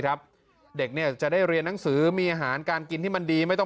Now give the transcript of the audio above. ครับเด็กเนี่ยจะได้เรียนหนังสือมีอาหารการกินที่มันดีไม่ต้อง